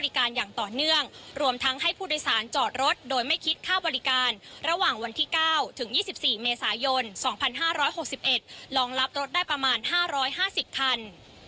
อย่างต่อเนื่องรวมทั้งให้ผู้โดยสารจอดรถโดยไม่คิดค่าบริการระหว่างวันที่๙ถึง๒๔เมษายน๒๕๖๑รองรับรถได้ประมาณ๕๕๐คัน